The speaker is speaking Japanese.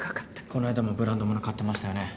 こないだもブランドもの買ってましたよね？